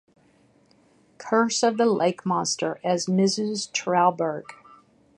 Curse of the Lake Monster as Mrs. Trowburg.